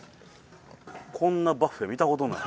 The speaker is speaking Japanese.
こんなバッフェ見た事ない。